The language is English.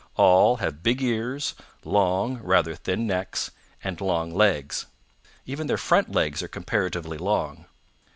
All have big ears, long, rather thin necks, and long legs. Even their front legs are comparatively long.